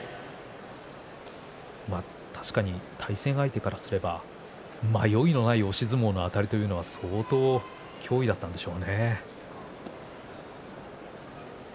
確かに対戦相手からすれば迷いのない押し相撲のあたりというのは相当、脅威だったでしょうね。